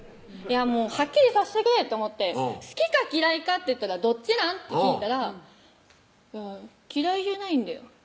はっきりさしてくれと思って「好きか嫌いかっていったらどっちなん？」って聞いたら「いや嫌いじゃないんだよ」